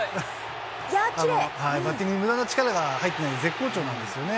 バッティングにむだな力が入ってない、絶好調なんですよね。